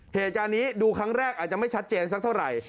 เพย์ชาติอันนี้ดูครั้งแรกอาจจะไม่ชัดเจนเท่าไหร่